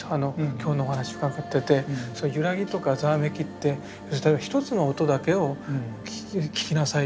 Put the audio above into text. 今日のお話伺っててそのゆらぎとかざわめきって一つの音だけを聞きなさい